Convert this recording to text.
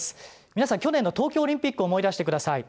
皆さん去年の東京オリンピックを思い出してください。